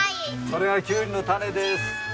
これがキュウリの種です。